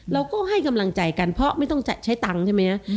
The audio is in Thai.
เราก็ให้กำลังใจกันเพราะไม่ต้องใช้ตังค์ใช่ไหมฮะ